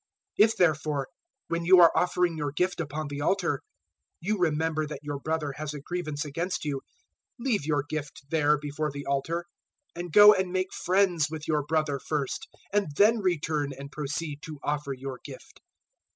005:023 If therefore when you are offering your gift upon the altar, you remember that your brother has a grievance against you, 005:024 leave your gift there before the altar, and go and make friends with your brother first, and then return and proceed to offer your gift.